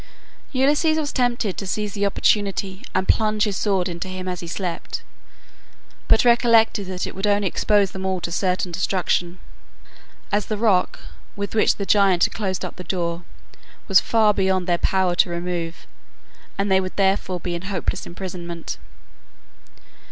Ulysses was tempted to seize the opportunity and plunge his sword into him as he slept, but recollected that it would only expose them all to certain destruction, as the rock with which the giant had closed up the door was far beyond their power to remove, and they would therefore be in hopeless imprisonment.